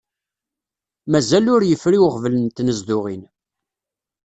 Mazal ur yefri uɣbel n tnezduɣin.